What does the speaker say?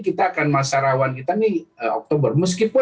kita akan masyarawan kita nih oktober murs kisah